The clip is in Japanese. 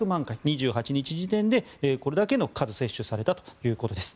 ２８日時点でこれだけの数接種されたということです。